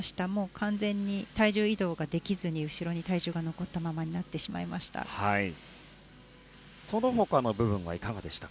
完全に体重移動ができずに後ろに体重が残ったままでした。